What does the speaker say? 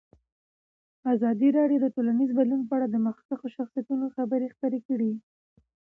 ازادي راډیو د ټولنیز بدلون په اړه د مخکښو شخصیتونو خبرې خپرې کړي.